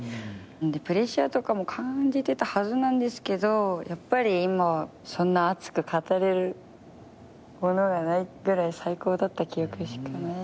プレッシャーとかも感じてたはずなんですけどやっぱり今はそんな熱く語れるものがないぐらい最高だった記憶しかない。